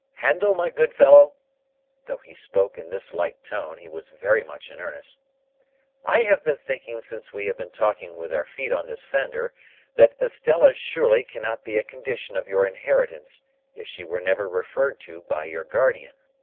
Handel, my good fellow;"—though he spoke in this light tone, he was very much in earnest,—"I have been thinking since we have been talking with our feet on this fender, that Estella surely cannot be a condition of your inheritance, if she was never referred to by your guardian.